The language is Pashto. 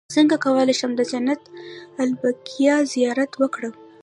څنګه کولی شم د جنت البقیع زیارت وکړم